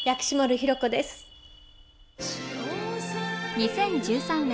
２０１３年。